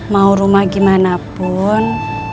mau rumah gimana pun